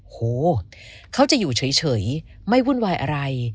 โหเขาจะอยู่เฉยไม่วุ่นวายอะไร